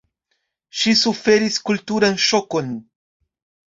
Ŝi suferis kulturan ŝokon.